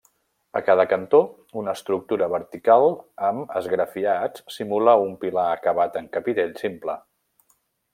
A cada cantó, una estructura vertical amb esgrafiats simula un pilar acabat en capitell simple.